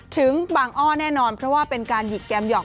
ถึงบางอ้อแน่นอนเพราะว่าเป็นการหยิกแกมหยอก